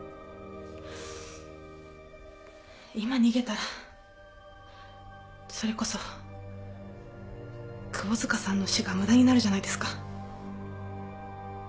今逃げたらそれこそ窪塚さんの死が無駄になるじゃないですか。